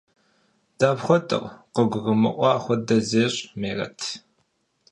– Дапхуэдэу? – къыгурымыӀуа хуэдэ зещӀ Мерэт.